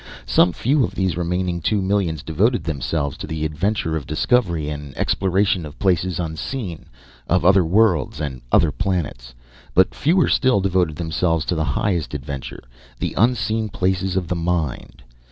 Some few of these remaining two millions devoted themselves to the adventure of discovery and exploration of places unseen, of other worlds and other planets. But fewer still devoted themselves to the highest adventure, the unseen places of the mind.